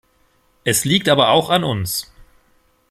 Es liegt aber auch an uns.